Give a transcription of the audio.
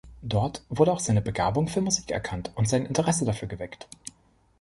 Dort wurde auch seine Begabung für Musik erkannt und sein Interesse dafür geweckt.